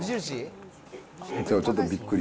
ちょっとびっくり。